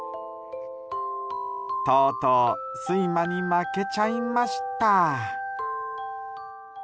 とうとう睡魔に負けちゃいました。